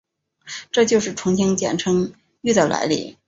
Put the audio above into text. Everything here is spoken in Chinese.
这就是重庆简称渝的来历。